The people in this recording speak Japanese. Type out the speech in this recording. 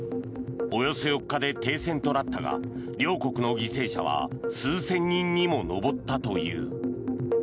およそ４日で停戦となったが両国の犠牲者は数千人にも上ったという。